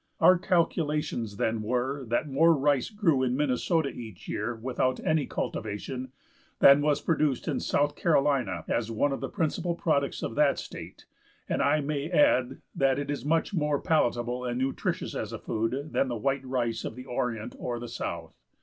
Our calculations then were that more rice grew in Minnesota each year, without any cultivation, than was produced in South Carolina as one of the principal products of that state, and I may add that it is much more palatable and nutritious as a food than the white rice of the Orient or the South.